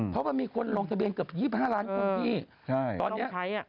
เพราะว่ามีคนลงทะเบียนเกือบ๒๕ล้านคนพี่ตอนนี้ต้องใช้